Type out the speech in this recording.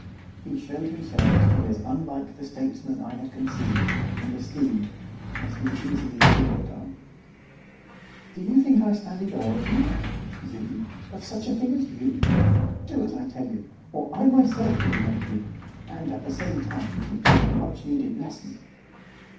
He showed himself to be as unlike the statesman I had conceived, and esteemed, as he easily could have done. 'Do you think I stand in awe of you? you! of such a thing as you! Do as I tell you, or I myself will make you, and, at the same time, teach you a much needed lesson.